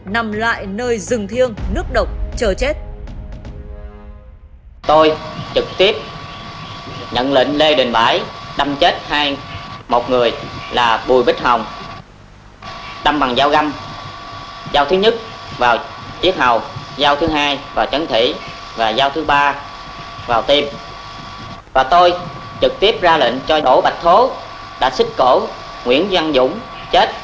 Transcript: nằm lại nơi rừng thiêng nước độc chờ chết